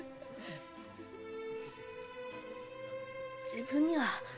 自分には。